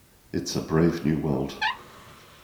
It's a brave new world.